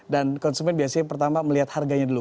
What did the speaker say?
dan konsumen biasanya pertama melihat harganya dulu